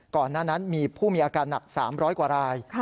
ก่อนหน้านั้นมีผู้มีอาการหนัก๓๐๐กว่าราย